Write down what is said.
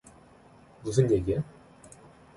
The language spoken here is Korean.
무슨 얘기야?